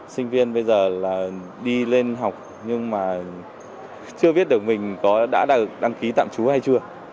sinh viên bây giờ là đi lên học nhưng mà chưa biết được mình có đã đăng ký tạm trú hay chưa